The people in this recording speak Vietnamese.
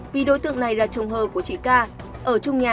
vì đối tượng này là chồng hờ của chị ca ở trung nhà